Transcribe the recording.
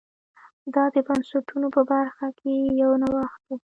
دا د بنسټونو په برخه کې یو نوښت دی